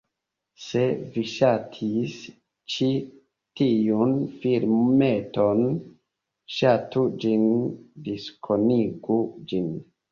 Se vi ŝatis ĉi tiun filmeton, Ŝatu ĝin, diskonigu ĝin